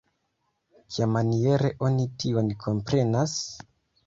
Kiamaniere oni tion komprenas?